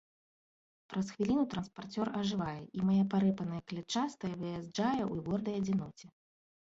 Праз хвіліну транспарцёр ажывае, і мая парэпаная клятчастая выязджае ў гордай адзіноце.